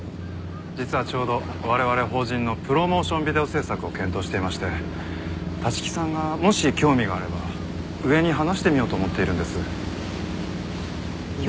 実はちょうど我々法人のプロモーションビデオ制作を検討していまして立木さんがもし興味があれば上に話してみようと思っているんです。